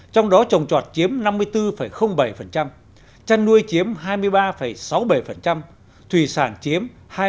trong đó trồng trọt chiếm năm mươi bốn bảy chăn nuôi chiếm hai mươi ba sáu mươi bảy thủy sản chiếm hai mươi hai hai mươi sáu